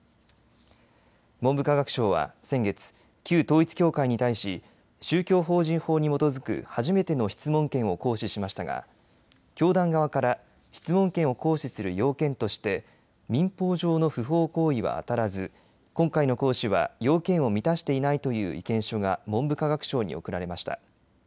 文部科学省は先月、旧統一教会に対し宗教法人法に基づく初めての質問権を行使しましたが教団側から質問権を行使する要件として民法上の不法行為はあたらず今回の行使は要件を満たしていないという意見書が文部科学省に送られました。